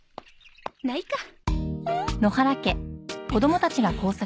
ないか。